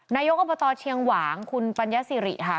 นายกอบตเชียงหวางคุณปัญญาสิริค่ะ